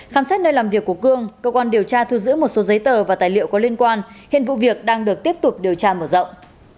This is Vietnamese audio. khám xét nơi làm việc của cương cơ quan điều tra thu giữ một số giấy tờ và tài liệu có liên quan hiện vụ việc đang được tiếp tục điều tra mở rộng